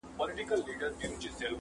غوجله لا هم خاموشه ده ډېر,